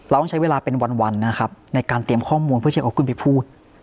ต้องใช้เวลาเป็นวันนะครับในการเตรียมข้อมูลเพื่อเช็คเอาขึ้นไปพูด